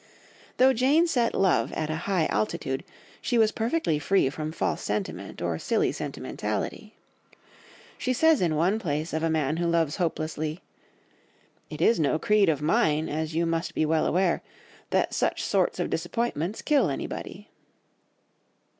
Though Jane set love at a high altitude, she was perfectly free from false sentiment or silly sentimentality. She says in one place of a man who loves hopelessly, "It is no creed of mine, as you must be well aware, that such sorts of disappointments kill anybody."